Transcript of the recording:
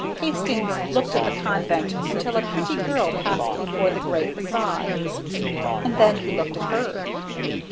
Hastings looked at the Convent until a pretty girl passed before the gray façade, and then he looked at her.